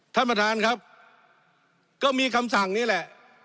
ท่านประธานครับก็มีคำสั่งนี่แหละ